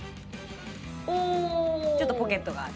ちょっとポケットがある。